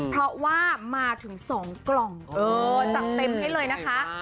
เพราะว่ามาถึง๒กล่องจัดเต็มให้เลยนะคะ